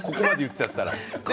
ここまで言っちゃったら。